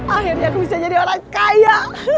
akhirnya aku bisa jadi orang kaya